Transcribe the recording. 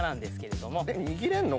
握れんの？